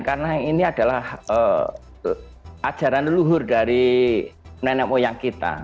karena ini adalah ajaran luhur dari nenek moyang kita